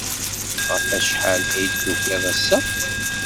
Ɣef wacḥal ay d-tukid ass-a?